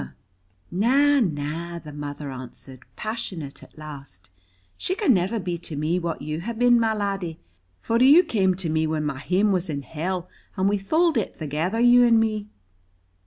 "Na, na," the mother answered, passionate at last, "she can never be to me what you hae been, my laddie, for you came to me when my hame was in hell, and we tholed it thegither, you and me."'